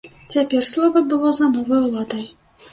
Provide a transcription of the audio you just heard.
Цяпер слова было за новай уладай.